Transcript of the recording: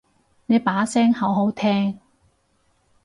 你把聲好好聽